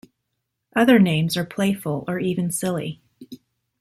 Other names are playful or even silly.